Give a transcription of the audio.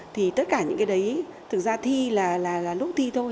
thì tất cả những cái đấy thực ra thi là lúc thi thôi